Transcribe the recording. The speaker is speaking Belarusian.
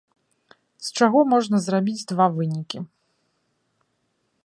З чаго можна зрабіць два вынікі.